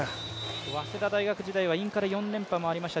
早稲田大学時代はインカレ４連覇もありました。